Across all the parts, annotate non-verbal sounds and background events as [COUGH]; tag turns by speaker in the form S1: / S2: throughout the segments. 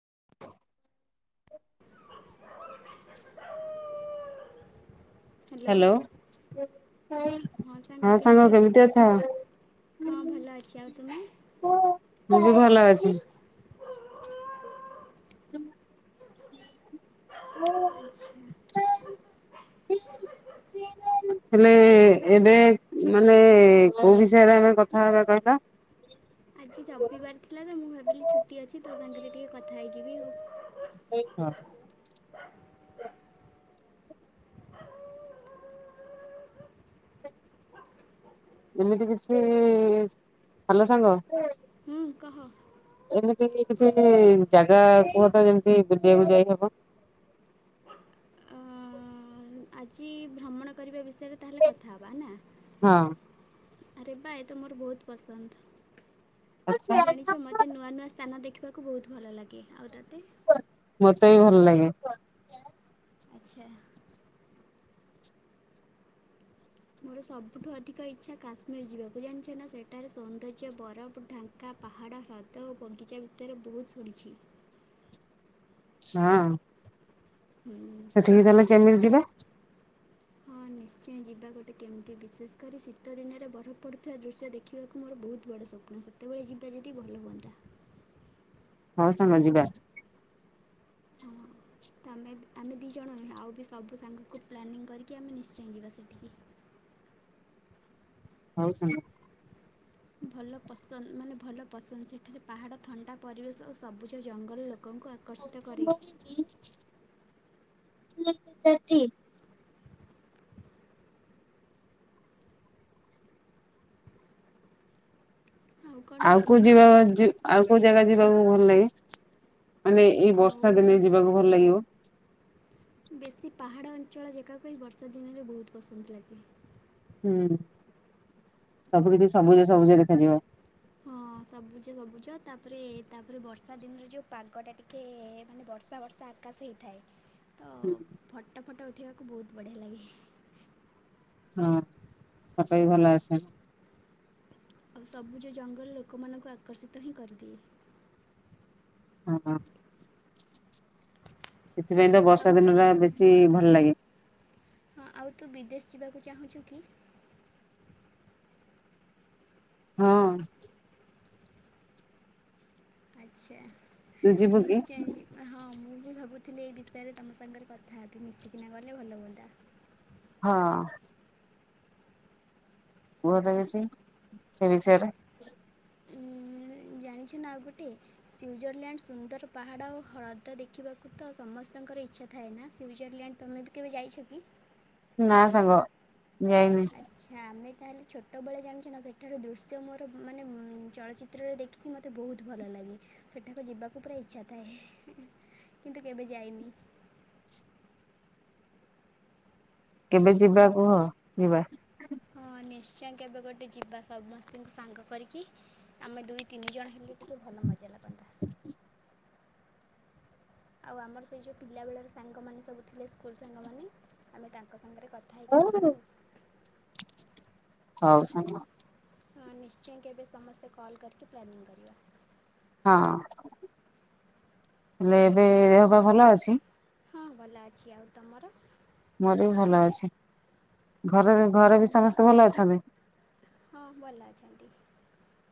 S1: [INAUDIBLE] [INAUDIBLE] Hello ହଁ ସାଙ୍ଗ କେମିତି ଅଛ?
S2: ହଁ ଭଲ ଅଛି ଆଉ ତୁମେ
S1: ମୁଁ ବି ଭଲ ଅଛି। [INAUDIBLE]
S2: [INAUDIBLE]
S1: ହେଲେ ଏବେ ମାନେ କୋଉ ବିଷୟରେ ଆମେ କଥା ହେବା କହିଲ?
S2: ଆଜି ରବିବାର ଥିଲା ତ ମୁଁ ଭାବିଲି ଛୁଟି ଅଛି ତୋ ସାଙ୍ଗରେ ଟିକେ କଥା ହେଇଯିବି ଆଉ।
S1: [UNINTELLIGIBLE] ଏମିତି କିଛି ଭଲ ସାଙ୍ଗ
S2: ହୁଁ କହ
S1: ଏମିତି କିଛି ଜାଗା କୁହ ତ ଯେମିତି ବୁଲିବାକୁ ଯାଇହବ। [INAUDIBLE]
S2: ଅ, ଆଜି ଭ୍ରମଣ କରିବା ବିଷୟରେ ତାହେଲେ କଥା ହେବା। ନା?
S1: ହଁ
S2: ଆରେ ବା ଏତ ମୋର ବହୁତ ପସନ୍ଦ।
S1: ଆଚ୍ଛା
S2: ଜାଣିଛ ମତେ ନୂଆ ନୂଆ ସ୍ଥାନ ଦେଖିବାକୁ ବହୁତ ଭଲ ଲାଗେ। ଆଉ ତ
S1: ମତେ ବି ଭଲ ଲାଗେ।
S2: ଆଚ୍ଛା ମୋର ସବୁଠୁ ଅଧିକ ଇଛା କାଶ୍ମୀର ଯିବାକୁ। ଜାଣିଛ ନା ସେଠାରେ ସୌନ୍ଦର୍ଯ୍ୟ ବରଫ ଢାଙ୍କା ପାହାଡ ହ୍ରଦ ଓ ବଗିଚା ବିଷୟରେ ବହୁତ ଶୁଣିଛି।
S1: [INAUDIBLE] ହଁ
S2: ହୁଁ
S1: ସେଠିକି ତାହେଲେ କେମିତି ଯିବେ?
S2: ହଁ
S1: [INAUDIBLE]
S2: ନିଶ୍ଚୟ ଯିବା ଗୋଟେ କେମିତି ବିଶେଷ କରି ଶୀତ ଦିନରେ ବରଫ ପଡ଼ୁଥିବା ଦୃଶ୍ୟ ଦେଖିବାକୁ ମୋର ବହୁତ ବଡ଼ ଶକ୍ତି। ଆପଣ ସେତେବେଳେ ଯିବେ ଯଦି ଭଲ ହୁଅନ୍ତା।
S1: ହଉ ସମସ୍ତେ ଯିବା।
S2: ହଁ
S1: [INAUDIBLE]
S2: ତ ଆମେ ଆମେ ଦି ଜଣ ହେଲେ ଆଉ ବି ସବୁ ସାଙ୍ଗକୁ ପ୍ଲାନିଂ କରିକି ଆମେ ନିଶ୍ଚୟ ଯିବା ସେଠିକି।
S1: [INAUDIBLE] ହଉ ସାଙ୍ଗ।
S2: ଭଲ ପସନ୍ଦ ମାନେ ଭଲ ପସନ୍ଦ ସେଠାରେ ପାହାଡ଼ ଥଣ୍ଡା ପରିବେଶ ଆଉ ସବୁଜ ଜଙ୍ଗଲ ଲୋକଙ୍କୁ ଆକର୍ଷିତ କରେ।
S1: [INAUDIBLE]
S2: କ'ଣ
S1: ଆଉ କୋଉ
S2: କରୁଛୁ
S1: ଯିବା
S2: କହ
S1: ଆଉ କୋଉ ଜାଗା ଯିବାକୁ ଭଲ ଲାଗେ? ମାନେ ଏଇ
S2: ଆଉ
S1: ବର୍ଷା ଦିନେ ଯିବାକୁ ଭଲ ଲାଗିବ?
S2: ବେଶୀ ପାହାଡ଼ ଅଞ୍ଚଳ ଜେଗା ପାଇଁ ବର୍ଷା ଦିନରେ ବହୁତ ପସନ୍ଦ ଲାଗେ।
S1: ହୁଁ ସବୁ କିଛି ସବୁଜ ସବୁଜ ଦେଖାଯିବ।
S2: ହଁ ସବୁଜ ସବୁଜ ତାପରେ ତାପରେ ବର୍ଷା ଦିନରେ ଯେଉ ପାଗଟା ଟିକେ ମାନେ ବର୍ଷା ବର୍ଷା ଆକାଶେ ହେଇଥାଏ। ତ ଫଟୋ ଫଟ ଉଠେଇବାକୁ ବହୁତ ବଢିଆ ଲାଗେ।
S1: ହଁ ଫଟ ବି ଭଲ ଆସେ।
S2: ଆଉ ସବୁଜ ଜଙ୍ଗଲ ଲୋକମାନଙ୍କୁ ଆକର୍ଷିତ ହିଁ କରିଦିଏ।
S1: ହଁ। ସେଥିପାଇଁ ତ
S2: ଆଉ
S1: ବର୍ଷା ଦିନ ଟା ବେଶୀ ଭଲ ଲାଗେ।
S2: ହଁ ଆଉ ତୁ ବିଦେଶ ଯିବାକୁ ଚାହୁଁଛୁ କି?
S1: ହଁ।
S2: ଆଚ୍ଛା
S1: ତୁ ଯିବୁ କି?
S2: ନିଶ୍ଚୟ ଯିବା ହଁ ମୁଁ ବି ଭାବୁ ଥିଲି ଏଇ ବିଷୟରେ ତମ ସାଙ୍ଗରେ କଥା ହେବି ମିଶିକିନା ଗଲେ ଭଲ ହୁଅନ୍ତା।
S1: ହଁ। ବହୁତ କିଛି ସେ ବିଷୟରେ
S2: ଜାଣିଛ ନା ଆଉ ଗୋଟେ ସୁଇଜରଲ୍ୟାଣ୍ଡ ସୁନ୍ଦର ପାହାଡ଼ ଆଉ ହ୍ରଦ ଦେଖିବାକୁ ତ ସମସ୍ତଙ୍କ ଙ୍କର ଇଚ୍ଛା ଥାଏ ନା ସୁଇଜରଲ୍ୟାଣ୍ଡ ତମେ ବି କେବେ ଯାଇଛ କି?
S1: ନା ସାଙ୍ଗ ଯାଇନି।
S2: ଆଚ୍ଛା ଆମେ ତାହେଲେ ଛୋଟବେଳେ ଜାଣିଛ ନା ସେଠାର ଦୃଶ୍ୟ ମୋର ମାନେ ଚଳଚ୍ଚିତ୍ରରେ ଦେଖିକି ମୋତେ ବହୁତ ଭଲ ଲାଗେ। ସେଠାକୁ ଯିବାକୁ ପୁରା ଇଛା ଥାଏ କିନ୍ତୁ କେବେ ଯାଇନି।
S1: [INAUDIBLE] କେବେ ଯିବା କୁହ ଯିବା?
S2: ହଁ ନିଶ୍ଚୟ କେବେ ଗୋଟେ ଯିବା ସମସ୍ତଙ୍କୁ ସାଙ୍ଗ କରିକି ଆମେ ଦୁଇ ତିନି ଜଣ ହେଲୁ ଟିକେ ଭଲ ମଜା ନବା।
S1: [INAUDIBLE]
S2: ଆଉ ଆମର ସେଇ ଯୋଉ ପିଲା ବେଳର ସାଙ୍ଗମାନେ ସବୁ ଥିଲେ ସ୍କୁଲ ସାଙ୍ଗମାନେ ଆମେ ତାଙ୍କ ସାଙ୍ଗରେ କଥା ହେଇକି ଯିବା ଆଉ।
S1: ଆଉ ସାଙ୍ଗ?
S2: ହଁ ନିଶ୍ଚୟ କେବେ ସମସ୍ତେ କଲ୍ କରିକି ପ୍ଲାନିଂ କରିବା।
S1: ହଁ ହେଲେ ଏବେ ଦେହ ପା ଭଲ ଅଛି??
S2: ହଁ ଭଲ ଅଛି ଆଉ ତମର?
S1: ମୋର ବି ଭଲ ଅଛି। ଘରେ ବି ଘରେ ବି ସମସ୍ତେ ଭଲ ଅଛନ୍ତି?
S2: ହଁ ଭଲ ଅଛନ୍ତି।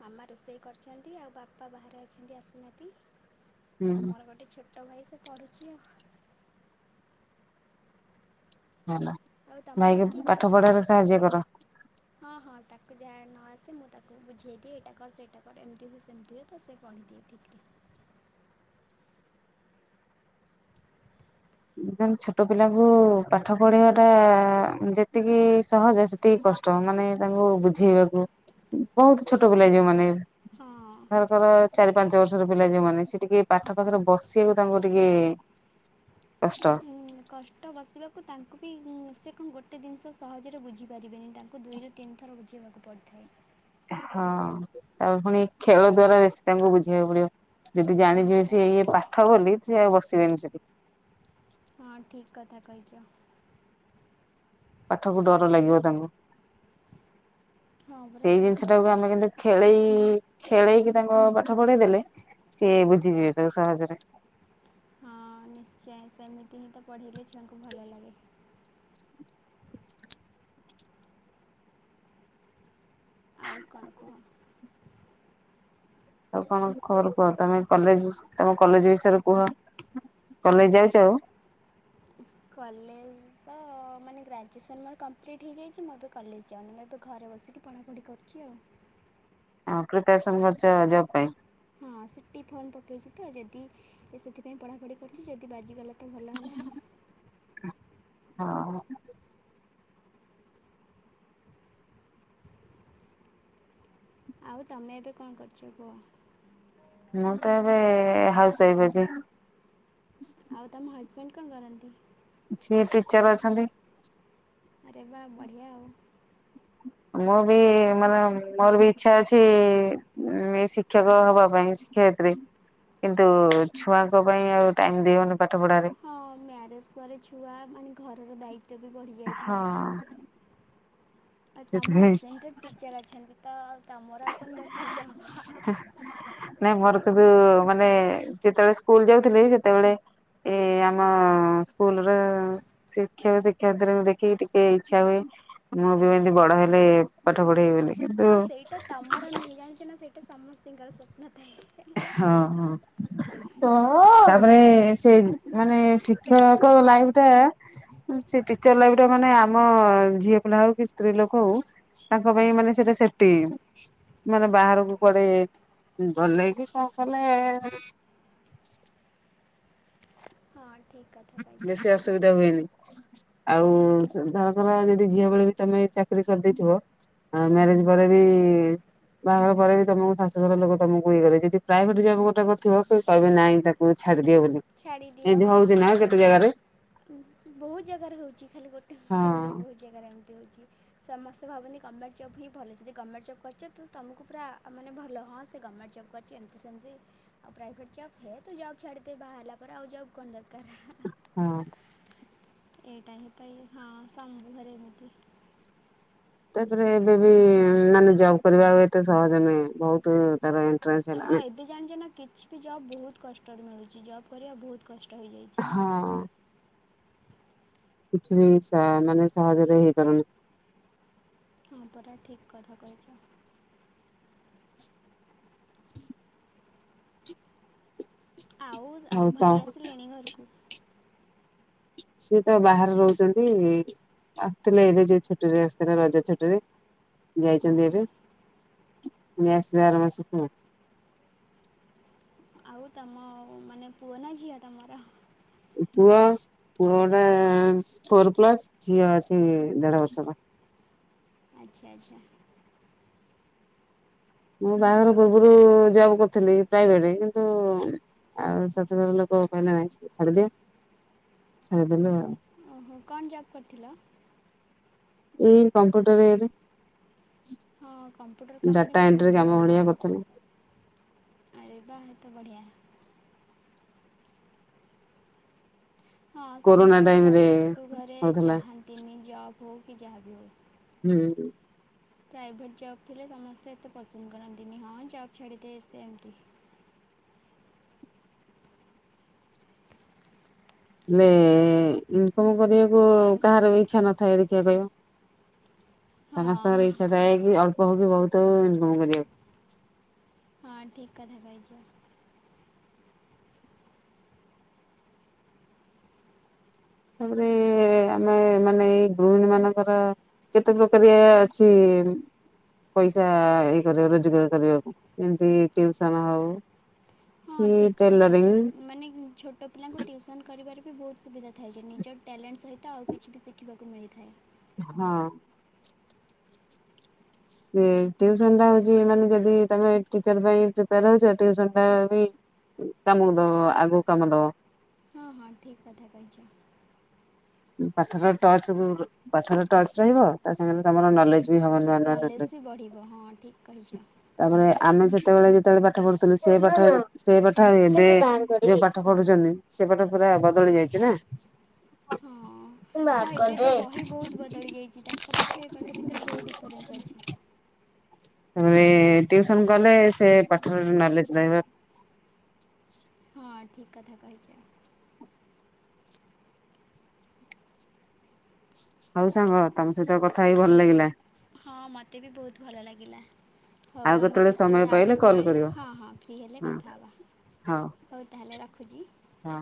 S2: ମାମା ରୋଷେଇ କରିଛନ୍ତି ଆଉ ବାପା ବାହାରେ ଅଛନ୍ତି ଆସିନାହାଁନ୍ତି। ଆଉ
S1: ହୁଁ
S2: ମୋର ଗୋଟେ ଛୋଟ ଭାଇ ସେ ପଢୁଛି ଆଉ।
S1: ହେଲା
S2: ଆଉ ତମ
S1: ଭାଇକି
S2: ଘରେ କିଏ କିଏ
S1: ପାଠ ପଢାରେ
S2: ଅଛନ୍ତି
S1: ସାହାଯ୍ୟ କର।
S2: ହଁ ହଁ ତାକୁ ଯାହା ନ ଆସେ ମୁଁ ତାକୁ ବୁଝେଇଦିଏ ଏଇଟା କର ସେଇଟା କର ଏମିତି ହୁଏ ସେମିତି ହୁଏ ତ ସେ ପଢ଼ିଦିଏ ଠିକ୍ ରେ।
S1: [INAUDIBLE] ଦେନ୍ ଛୋଟ ପିଲାଙ୍କୁ ପାଠ ପଢେଇଆଟା ଯେତିକି ସହଜ ସେତିକି କଷ୍ଟ। ମାନେ ତାଙ୍କୁ ବୁଝେଇବାକୁ ବହୁତ ଛୋଟ ପିଲା ଯୋଉମାନେ
S2: ହଁ
S1: ଧରକର ଚାରି ପାଞ୍ଚ ବର୍ଷର ପିଲା ଯୋଉମାନେ ସେ ଟିକେ ପାଠ ପାଖରେ ବସିବାକୁ ତାଙ୍କୁ ଟିକେ କଷ୍ଟ।
S2: କଷ୍ଟ ବସିବାକୁ ତାଙ୍କୁ ବି ସେ କଣ ଗୋଟେ ଜିନଷ ସହଜରେ ବୁଝିପାରିବେନି। ତାଙ୍କୁ ଦୁଇରୁ ତିନି ଥର ବୁଝେଇବାକୁ ପଡ଼ିଥାଏ।
S1: ହଁ ତାଙ୍କୁ ପୁଣି ଖେଳ ଦ୍ଵାରା ବେଶୀ ତାଙ୍କୁ ବୁଝେଇବାକୁ ପଡିବ। ଯଦି
S2: ହଁ
S1: ଜାଣିଯିବେ
S2: ପରା
S1: ସିଏ ଇଏ ପାଠ ବୋଲି ସିଏ ଆଉ ବସିବେନି ସେଠି।
S2: ହଁ ଠିକ୍ କଥା କହିଚ।
S1: ପାଠକୁ ଡର ଲାଗିବ ତାଙ୍କୁ।
S2: ହଁ ପରା
S1: ସେଇ
S2: ଠିକ୍
S1: ଜିନିଷ
S2: କଥା
S1: ଟାକୁ ଆମେ
S2: କହିଛ
S1: କିନ୍ତୁ ଖେଳେଇ ଖେଳେଇକି ତାଙ୍କ ପାଠ ପଢେଇ ଦେଲେ ସିଏ ବୁଝିଯିବେ ତାକୁ ସହଜରେ।
S2: ହଁ ନିଶ୍ଚୟ ସେମିତି ହିଁ ତ ପଢ଼େଇଲେ ଛୁଆଙ୍କୁ ଭଲ ଲାଗେ। ଆଉ କଣ କୁହ।
S1: ଆଉ କଣ ଖବର କୁହ? ତମେ କଲେଜ ତମ କଲେଜ ବିଷୟରେ କୁହ। କଲେଜ ଯାଉଛ ଆଉ।
S2: କଲେଜ ତ ମାନେ ଗ୍ରାଜୁଏସନ୍ ମୋର କମ୍ପ୍ଲିଟ୍ ହେଇଯାଇଛି। ମୁଁ ଏବେ କଲେଜ ଯାଉନି ମୁଁ ଏବେ ଘରେ। ବସିକି ପଢ଼ାପଢ଼ି କରୁଛି ଆଉ।
S1: ପ୍ରିପରେଶନ କରୁଛ ଜବ ପାଇଁ।
S2: ହଁ ସେ ଟି ଫର୍ମ ପକାଇଛି ତ ଯଦି ସେଥିପାଇଁ ପଢ଼ାପଢ଼ି କରୁଛି ଯଦି ବାଜିଗଲା। ତ ଭଲ ହେଲା ଆଉ
S1: [UNINTELLIGIBLE] ହଁ।
S2: ଆଉ ତମେ ଏବେ କଣ କରୁଛ କୁହ?
S1: ମୁଁ ତ ଏବେ ହାଉସ ୱାଇଫ ଅଛି।
S2: ଆଉ ତମ ହଜବେଣ୍ଡ କଣ କରନ୍ତି?
S1: ସିଏ ଟିଚର ଅଛନ୍ତି।
S2: ଆରେ ବା ବଢ଼ିଆ।
S1: [INAUDIBLE] ମୁଁ ବି ମାନେ ମୋର ବି ଇଚ୍ଛା ଅଛି ଏ ଶିକ୍ଷକ ହବା ପାଇଁ ଶିକ୍ଷୟ- ବି କିନ୍ତୁ ଛୁଆଙ୍କ ପାଇଁ ଆଉ ଟାଇମ ଦେଇ ହବନି।
S2: ହଁ ମ୍ୟାରେଜ ପରେ ଛୁଆ ମାନେ ଘରର ଦାୟିତ୍ୱ ବି ବଢି
S1: ହଁ।
S2: ଯାଇଥାଏ। ଆଉ ତମ
S1: ସେଥିପାଇଁ
S2: ହଜବେଣ୍ଡ ତ ଟିଚର ଅଛନ୍ତି ତ- ତମର ଆଉ କଣ ଦରକାର ଯବ ହ ହ ହ।
S1: ସେଠୁ ମାନେ ଯେତେବେଳେ ସ୍କୁଲ ଯାଉଥିଲି ସେତେବେଳେ- ଏ ଆମ ସ୍କୁଲର ଶିକ୍ଷକ ଶିକ୍ଷୟୀତ୍ରିକୁ ଦେଖିକି ଟିକେ ଇଚ୍ଛା ହୁଏ- ମୁଁ ବି ଏମତି
S2: ଆଚ୍ଛା
S1: ବଡ ହେଲେ ପାଠ ପଢେଇ ବୋଲି କିନ୍ତୁ-
S2: ସେଟା ତମର ନୁହେଁ ଜାଣିଛ ନା ସେଇଟା ସମସ୍ତଙ୍କର ସ୍ୱପ୍ନ ଥାଏ।
S1: ହଁ ହଁ। ତ। ତାପରେ ସେ ମାନେ ଶିକ୍ଷକ- ଶିକ୍ଷକ ଲାଇନ ଟା - ସେ ଟିଚର ଲାଇଫ ଟା ମାନେ ଆମ ଝିଅ ପିଲା ହଉ କି ସ୍ତ୍ରୀ ଲୋକ ହଉ- ତାଙ୍କ ପାଇଁ ମାନେ ସେଟା ସେଫଟି ମାନେ ବାହାରକୁ କୁଆଡେ ଗଲେ। ବିଶ୍ୱାସ ହେଲେ।
S2: ହଁ ଠିକ୍ କଥା କହିଛ
S1: ବେଶୀ ଅସୁବିଧା ହୁଏନି। ଆଉ ଧରଙ୍କର ଯଦି ଝିଅ ବଳେ ବି ତମେ ଚାକିରି କରିଦେଇଥିବ। ଆ ମ୍ୟାରେଜ ପରେ ବି ବାହାଘର ପରେ ବି ତମକୁ ଶାଶୁଘର ଲୋକ ତମକୁ ଇଏ କରିବ ଯଦି ପ୍ରାଇଭେଟ ଜବ ଗୋଟେ କରିଥିବ କହିବେ ନାଇଁ ତାକୁ ଚ୍ଛା ଛାଡ଼ି ଦିଅ ବୋଲି
S2: ଛାଡ଼ିଦିଅ
S1: ଏମିତି
S2: ହଁ
S1: ହଉଛି ନା ଯେ
S2: ଘର ବହୁତ ଜାଗାରେ ହଉଛି ଖାଲି ଗୋଟେ
S1: ହଁ
S2: ଗୋଟେ ନୁହେଁ ବହୁତ ଜାଗାରେ ଏମିତି ହଉଛି। ସମେ ଭାବନ୍ତି ଗଭର୍ଣ୍ମେଣ୍ଟ ଜବ୍ ହିଁଲଦ ଗମେଣ୍ଟ ଜବ୍ କରିଛ ତୁକୁ ପୁରା ମାନେଲ ହଁ ସେ ଗମେଣ୍ଟ ଜବ୍। କରଛି ଏମିତି ସେମତି ପ୍ରାଇଭେଟ ଯପ ହେ ତ ଯାଉ ଖାଡ଼ି [INAUDIBLE] ଆଉ ଜବ କଣ ଦରକାର।
S1: ହଁ।
S2: ଏଇଟାାଇ ତାଇ ହଁ ସଙ୍ଗୁ ଘରେ ମୁତି
S1: ତାପରେ ଏବେ ବି ମାନେ ଜବ କରିବା ଆଉ ଏତେ ସହଜ ନୁହେଁ ବହୁତ ତାର ଏ
S2: ହଁ ଏବେ ଜାଣିଛ ନା କିଛି ବି ଜବ ବହୁତ କଷ୍ଟରେ ମିଳୁଛି ଜବ୍ କରିବା ବହୁତ କଷ୍ଟ। ରଇଯାଇଛି।
S1: ହଁ କିଛି ସା ମାନେ ସହଜରେ ହେଇପାରୁନି
S2: ହଁ ପରା ଠିକ କଥା କହିଛ। ଆଉ ଆଉ ଭାଇ ଆସିଲେଣି ଘରକୁ?
S1: ସିଏ ତ ବାହାରେ ରହୁଛନ୍ତି ଆସିଥିଲେ ଏବେ ଯୋଉ ଛୁଟିରେ ଆସିଥିଲା ରଜ ଛୁଟିରେ ଯାଇଛନ୍ତି
S2: ଓହୋ
S1: ଏବେ। ନିସ ଆର ମାସକୁ।
S2: ଆଉ ତମ ମାନେ ପୁଅ ନା ଝିଅ ତମର?
S1: ପୁଅ ପୁଅ ଗୋଟେ ଫୋର ପ୍ଲସ ଝିଅ ଅଛି ଦେଢ ବର୍ଷର। [INAUDIBLE]
S2: ଆଚ୍ଛା ଆଚ୍ଛା।
S1: ମୁଁ ବାହାଘର
S2: ଭଲ
S1: ପୂର୍ବରୁ ଜବ୍ କରୁଥିଲି। ପ୍ରାଇଭେଟରେ କିନ୍ତୁ ଆଉ ଶାଶୁଘର ଲୋକ କହିଲେ ନାଇଁ ସେଇଟା ଛାଡିଦିଅ। ସେଦେଲେ ଆଉ।
S2: ଓହୋ କଣ ଜବ୍ କରିଥିଲ?
S1: ଏଇ କମ୍ପ୍ୟୁଟରରେ
S2: ହଁ କମ୍ପ୍ୟୁଟର କାମ କିନ୍ତୁ ବହୁତ
S1: କାମ
S2: ଭଲ।
S1: ଭଳିଆ କରୁଥିଲେ
S2: ଆରେ ବା। ତ ବଢ଼ିଆ। ହଁ
S1: କୋରୋନା
S2: ସମସ୍ତିଙ୍କ
S1: ଟାଇମ ରେ
S2: ଶାଶୁ ଘରେ
S1: ହଉଥିଲା
S2: ଚାହାନ୍ତିନି ଜବ ହଉ କି ଯାହାବି ହଉ।
S1: ହୁଁ।
S2: ପ୍ରାଇଭେଟ ଜବ ଥିଲେ ସମସ୍ତେ ଏତେ ପସନ୍ଦ କରନ୍ତିନି। ହଁ ଜବ୍ ଛାଡିଦେ ସେ ଏମତି
S1: [INAUDIBLE] ହେଲେ ଇନକମ କରିବାକୁ
S2: ଆଉ
S1: କାହାରବି ଇଚ୍ଛା ନଥାଏ ଦେଖିବା କହିବ? ସମସ୍ତଙ୍କର
S2: ହଁ
S1: ଇଚ୍ଛା ଥାଏ କି ଅଳ୍ପ ହଉକି ବହୁତ ହୋଉ ଇନକମ କରିବାକୁ।
S2: ହଁ ଠିକ୍ କଥା କହିଛ।
S1: ତାପରେ ଆମେ ମାନେ ଏଇ ଗୃହିଣୀ ମାନଙ୍କର କେତେ ପ୍ରକାରିଆ ଅଛି ପଇସା ଇ କରିବା ରୋଜଗାର କରିବାକୁ ଯେମିତି ଟିଉସନ ହଉ
S2: ହଁ
S1: କି
S2: ଠିକ୍ କଥା
S1: ଟେଲରିଂ
S2: କହିଛ। ମାନେ ଛୋଟ ପିଲାଙ୍କୁ ଟିଉସନ କରିପାରିବ। ବି ବହୁତ ସୁବିଧା ଥାଏ ଯେ ନିଜ ଟ୍ୟାଲେଣ୍ଟ ସହିତ ଆଉ କିଛି ବି ଶିଖିବାକୁ ମିଳିଥାଏ।
S1: ହଁ। ଟିଉସନ ଟା ହଉଛି ମାନେ ଯଦି ତମେ ଟିଚର ପାଇଁ ପ୍ରିପେୟାର ହଉଛ ଟିଉସନ ଟା ବି କାମକୁ ଦବ ଆଗକୁ କାମ ଦବ।
S2: ହଁ ହଁ ଠିକ୍ କଥା କହିଛ।
S1: ପାଥର ଟଚ ସବୁ ପାଥର ଟଚ ରହିବ ତା ସାଙ୍ଗରେ ତମର ନଲେଜ ହବ ନୂଆ ନୂଆ
S2: ନଲେଜ୍ ବି
S1: [UNINTELLIGIBLE]
S2: ବଢ଼ିବ ହଁ ଠିକ୍ କହିଛ
S1: ତାପରେ ଆମେ ସେତେବେଳେ ଯେତେବେଳେ ପାଠ ପଢୁଥିଲୁ ସେ ପାଠ ସେ ପାଠ ଏବେ ଯଉ ପାଠ ପଢୁଛନ୍ତି ସେପଟ ପୁରା ବଦଳି ଯାଇଛି ନା।
S2: ହଁ ହଁ ଏବେ ତ ବହି ବହୁତ ବଦଳି ଯାଇଛି ତାଙ୍କ ପାଠ ଏ ପାଠ ଭିତରେ ବହୁତ ଡିଫରେନ୍ସ ଅଛି।
S1: ଟିଉସନ କଲେ ସେ ପାଠ ନଲେଜ ରହିବ।
S2: ହଁ ଠିକ କଥା କହିଛ।
S1: ହଉ ସାଙ୍ଗ ତମ ସହିତ କଥା ହେଇ ଭଲ ଲାଗିଲା।
S2: ହଁ ମତେ ବି ବହୁତ ଭଲ ଲାଗିଲା। ହଉ
S1: ଆଉ
S2: ଆମେ
S1: ସମୟ
S2: କେତେବେଳେ ଆଉ
S1: ପାଇଲେ କଲ୍
S2: କେତେବେଳେ
S1: କରିବ
S2: ହଁ ହଁ ଫ୍ରି ହେଲେ
S1: ହଁ
S2: କଥା ହେବା। ହଉ ତାହେଲେ ରଖୁଛି।
S1: ହଁ